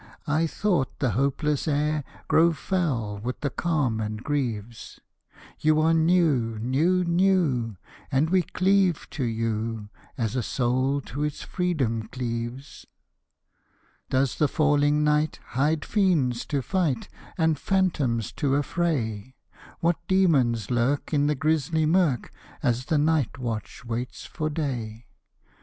I though the hopeless air Grow foul with the calm and grieves, You are new, new, new and we cleave to you As a soul to its freedom cleaves. Does the falling night hide fiends to fight And phantoms to affray? What demons lurk in the grisly mirk, As the night watch waits for day?